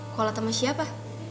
koalat sama siapa